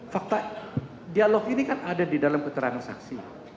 fakta dialog ini kan ada di dalam keterangan saksi